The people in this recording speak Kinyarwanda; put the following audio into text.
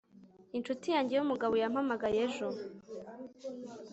inshuti yanjye yumugabo yampamagaye ejo